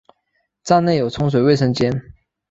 站内有冲水卫生间。